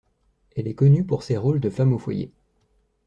Elle est connue pour ses rôle de femmes aux foyers.